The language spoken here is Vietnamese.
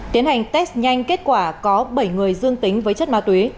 tiến hành test nhanh kết quả có bảy người dương tính với chất ma túy